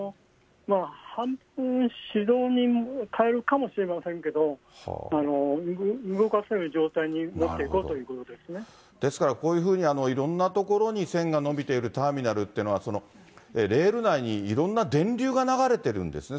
半分手動に変えるかもしれないですけど、動かせる状態に持っていですから、こういうふうにいろんな所に線が延びているターミナルっていうのは、レール内にいろんな電流が流れてるんですね。